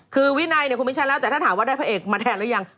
คือวินัยเนี่ยคุณไม่ใช่แล้วแต่ถ้าถามว่าได้พระเอกมาแทนหรือยัง